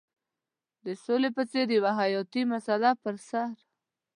د سولې په څېر یوه حیاتي مسله پر سر.